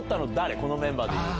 このメンバーでいうと。